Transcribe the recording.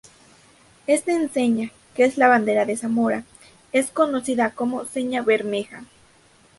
Esta enseña, que es la bandera de Zamora, es conocida como "Seña Bermeja".